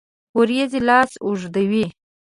اوریځې لاس اوږدوي